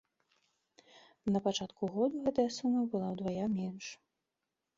На пачатку году гэтая сума была ўдвая менш.